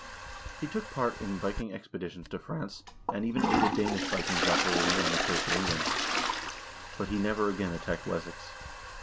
He took part in Viking ex peditions to France, and even aided Danish Vikings operating on the coast of England, but he never again attacked Wessex.